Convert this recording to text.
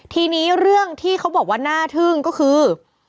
ทีนี้เรื่องที่เขาบอกว่าน่าทึ่งก็คือ